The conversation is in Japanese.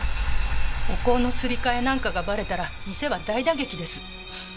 お香のすり替えなんかがバレたら店は大打撃です。